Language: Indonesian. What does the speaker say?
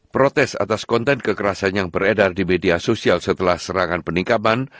protes atas konten kekerasan yang beredar di media sosial setelah serangan peningkaman